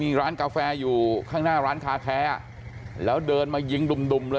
มีร้านกาแฟอยู่ข้างหน้าร้านคาแคแล้วเดินมายิงดุ่มเลย